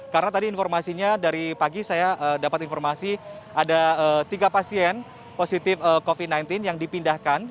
karena tadi informasinya dari pagi saya dapat informasi ada tiga pasien positif covid sembilan belas yang dipindahkan